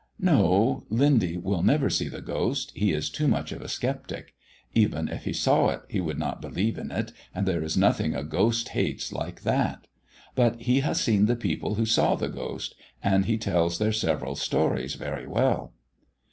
"No, Lindy will never see the ghost; he is too much of a sceptic. Even if he saw it he would not believe in it, and there is nothing a ghost hates like that. But he has seen the people who saw the ghost, and he tells their several stories very well."